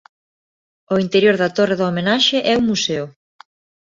O interior da torre da homenaxe é un museo.